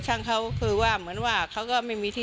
ช่างเขาคือว่าเหมือนว่าเขาก็ไม่มีที่